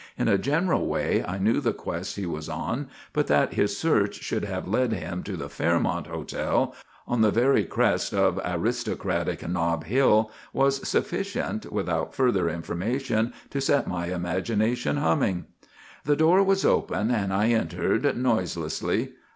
In a general way I knew the quest he was on, but that his search should have led him to the Fairmont hotel, on the very crest of aristocratic Nob Hill, was sufficient without further information to set my imagination humming. The door was open and I entered, noiselessly.